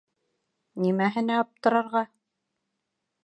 Нимәһенә аптырарға?